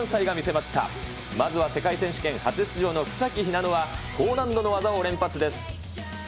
まずは世界選手権初出場の草木ひなのは高難度の技を連発です。